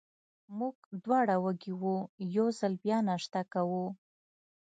موږ دواړه وږي وو، یو ځل بیا ناشته کوو.